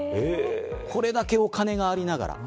これだけお金がありながら。